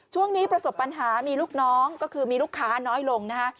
ช่วงนี้ประสบปัญหามีลูกน้องก็คือมีลูกค้าน้อยลงนะฮะ